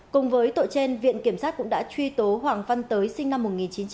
cùng với tội trên viện kiểm sát cũng đã truy tố hoàng văn tới sinh năm một nghìn chín trăm tám mươi